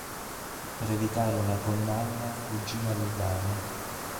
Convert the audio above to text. Per evitare una condanna fuggì a Lugano.